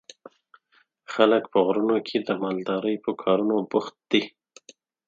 خلک په غرونو کې د مالدارۍ په کارونو بوخت دي.